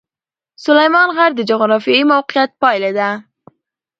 سلیمان غر د جغرافیایي موقیعت پایله ده.